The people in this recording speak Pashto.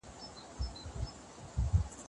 علمي معلومات څنګه لېږدول کیږي؟